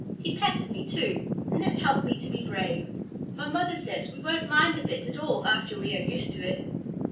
He patted me, too, and that helped me to be brave. My mother says we won't mind the bit at all after we are used to it."